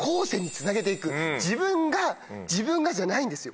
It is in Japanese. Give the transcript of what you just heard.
「自分が自分が」じゃないんですよ。